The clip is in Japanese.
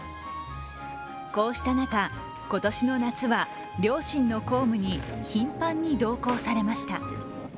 こうした中、今年の夏は両親の公務に頻繁に同行されました。